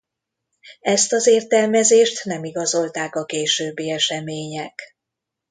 Ezt az értelmezést nem igazolták a későbbi események.